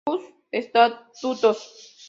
Sus Estatutos.